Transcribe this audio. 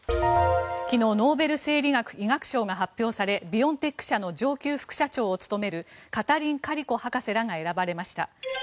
昨日、ノーベル生理学医学賞が発表されビオンテック社の上級副社長を務めるカタリン・カリコ博士らが選ばれました。